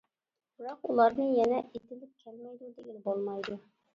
بىراق ئۇلارنى يەنە ئېتىلىپ كەلمەيدۇ، دېگىلى بولمايدۇ.